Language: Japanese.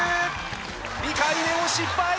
２回目も失敗！